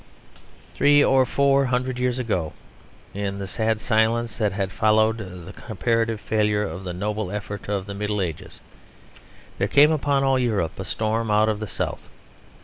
Three or four hundred years ago, in the sad silence that had followed the comparative failure of the noble effort of the Middle Ages, there came upon all Europe a storm out of the south.